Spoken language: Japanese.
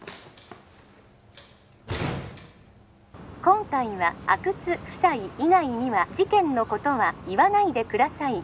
☎今回は阿久津夫妻以外には☎事件のことは言わないでください